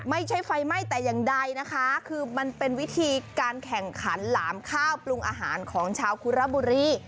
ไม่ใช่ไฟไหม้แต่อย่างใดนะคะคือมันเป็นวิธีการแข่งขันหลามข้าวปรุงอาหารของชาวคุระบุรี